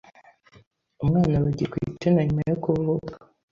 umwana bagitwite na nyuma yo kuvuka